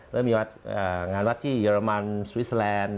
เริ่มมีงานวัดที่เยอรมันสวีสแลนด์